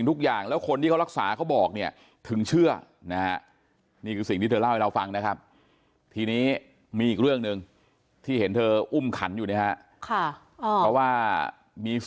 คุณก็ได้ยินใช่ไหม